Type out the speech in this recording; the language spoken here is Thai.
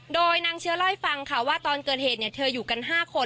โดยนางเชื้อเล่าให้ฟังค่ะว่าตอนเกิดเหตุเธออยู่กัน๕คน